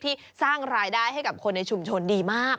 สร้างรายได้ให้กับคนในชุมชนดีมาก